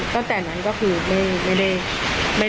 ตั้งแต่นั้นก็คือไม่ได้ย้ายลูกกลับมา